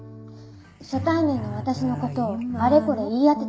初対面の私の事をあれこれ言い当てた理由です。